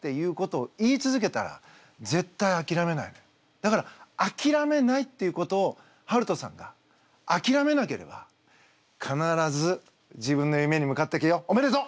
だからあきらめないっていうことをはるとさんがあきらめなければ必ず自分の夢に向かっていくよおめでとう！